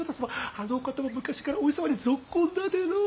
あのお方も昔からお市様にぞっこんだでのう！